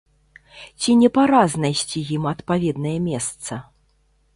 Ці не пара знайсці ім адпаведнае месца?